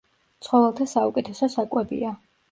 ცხოველთა საუკეთესო საკვებია.